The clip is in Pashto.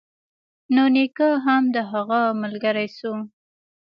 نو نيکه هم د هغه ملگرى سو.